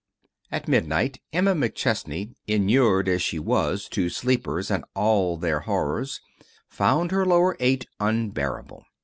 At midnight Emma McChesney, inured as she was to sleepers and all their horrors, found her lower eight unbearable.